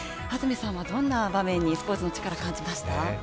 安住さんはどんな場面に「スポーツのチカラ」を感じました？